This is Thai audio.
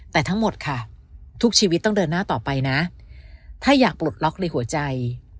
แต่ทั้งหมดค่ะทุกชีวิตต้องเดินหน้าต่อไปนะถ้าอยากปลดล็อกในหัวใจ